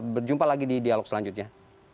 berjumpa lagi di dialog selanjutnya